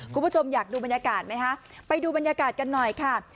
คุณผู้ชมอยากดูบรรยากาศไหมคะไปดูบรรยากาศกันหน่อยค่ะ